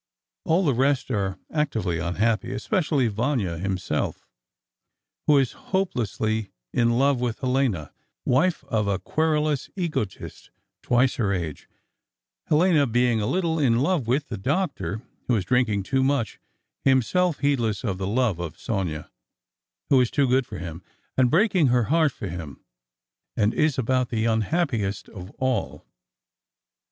All the rest are actively _un_happy, especially Vanya himself, who is hopelessly in love with Helena, wife of a querulous egotist twice her age—Helena being a little in love with "the Doctor," who is drinking too much, himself heedless of the love of Sonia, who is too good for him, and breaking her heart for him, and is about the unhappiest of all.